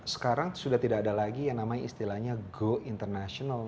sekarang sudah tidak ada lagi yang namanya istilahnya go international